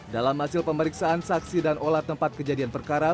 dalam hasil pemeriksaan saksi dan olah tempat kejadian perkara